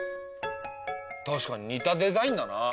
確かに似たデザインだな。